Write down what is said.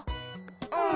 うん。